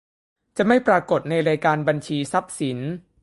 จะไม่ปรากฏในรายการบัญชีทรัพย์สิน